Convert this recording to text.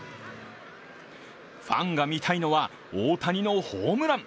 ファンが見たいのは大谷のホームラン。